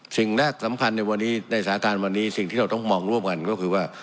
สิ่งแรกสำคัญในสถานที่เราต้องมองร่วมกันก็คือว่า